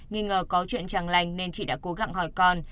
giờ có chuyện chẳng lành nên chị đã cố gắng hỏi con